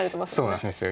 そうなんです。